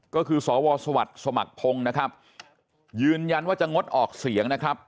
ก็คือสวสวัสดิ์สมัครพงศ์นะครับยืนยันว่าจะงดออกเสียงนะครับ